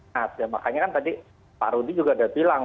nah makanya kan tadi pak rudi juga sudah bilang